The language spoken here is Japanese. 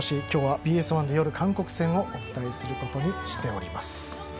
今日はＢＳ１で夜に韓国戦をお伝えすることにしております。